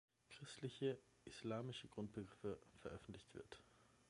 Christliche-Islamische Grundbegriffe" veröffentlicht wird.